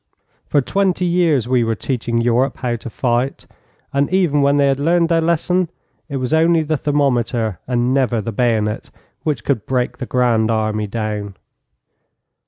For twenty years we were teaching Europe how to fight, and even when they had learned their lesson it was only the thermometer, and never the bayonet, which could break the Grand Army down.